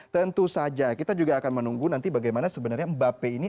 tentu saja kita juga akan menunggu nanti bagaimana sebenarnya mbappe ini